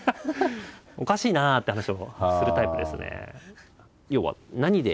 「おかしいな」って話をするタイプですね。